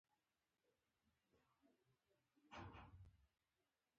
ډېر هومره چې سترګو يې اوښکې وکړې،